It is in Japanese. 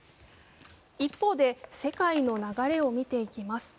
一方で世界の流れを見ていきます。